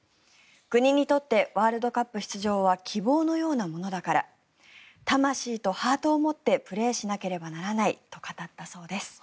国にとってワールドカップ出場は希望のようなものだから魂とハートを持ってプレーしなければならないと語ったそうです。